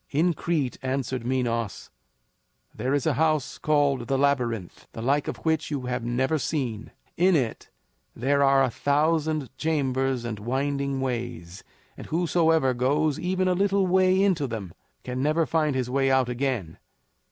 "In Crete," answered Minos, "there is a house called the Labyrinth, the like of which you have never seen. In it there are a thousand chambers and winding ways, and whosoever goes even a little way into them can never find his way out again.